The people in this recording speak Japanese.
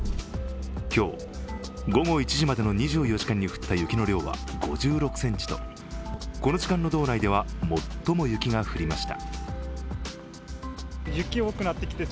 今日午後１時までの２４時間に降った雪の量は５６ｃｍとこの時間の道内では最も雪が降りました。